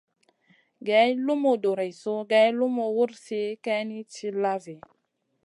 Geyn lumu doreissou geyn lumu wursi kayni tilla vi.